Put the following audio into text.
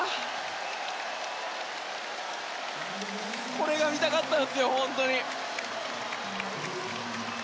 これが見たかったんです本当に。